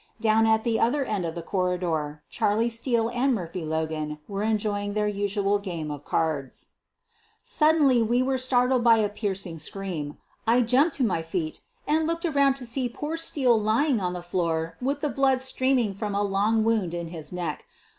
Down at the other end of the corridor, Charlie Steele and Murphy Logan were enjoying their usual game of cards. Suddenly we were startled by a piercing scream. I jumped to my feet, and looked around to see poor Steele lying on the floor with the blood streaming from a long wound in his throat.